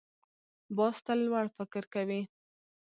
باز تل لوړ فکر کوي